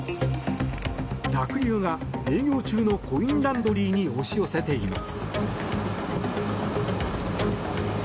濁流が営業中のコインランドリーに押し寄せています。